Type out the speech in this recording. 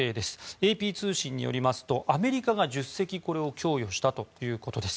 ＡＰ通信によりますとアメリカが１０隻これを供与したということです。